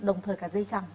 đồng thời cả dây chẳng